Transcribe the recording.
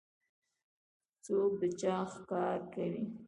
څوک د چا ښکار کوي؟